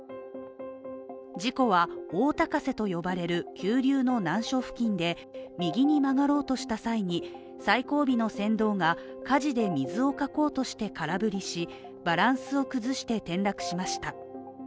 事故は大高瀬と呼ばれる急流の難所付近で右に曲がろうとした際に最後尾の船頭がかじで水をかこうとして空振りしバランスを崩して転落しました。